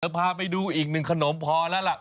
เดี๋ยวพาไปดูอีกหนึ่งขนมพอแล้วแหละ